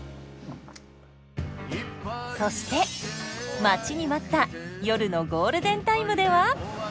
そして待ちに待った夜のゴールデンタイムでは？